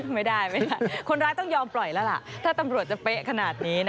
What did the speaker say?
ไม่ได้ไม่ได้คนร้ายต้องยอมปล่อยแล้วล่ะถ้าตำรวจจะเป๊ะขนาดนี้นะ